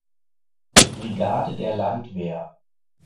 Brigade der Landwehr.